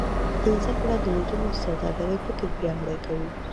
زده کړه د نجونو د سوداګرۍ فکر پیاوړی کوي.